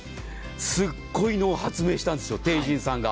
すっごいのを発明したんです帝人さんが。